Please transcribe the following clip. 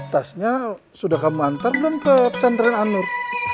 tasnya sudah kamu hantar belum ke pesantren anur